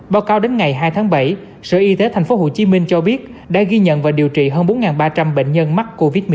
báo cáo đến ngày hai tháng bảy sở y tế tp hcm cho biết đã ghi nhận và điều trị hơn bốn ba trăm linh bệnh nhân mắc covid một mươi chín